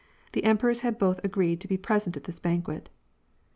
The emperors had both agreed to be present at this banquet.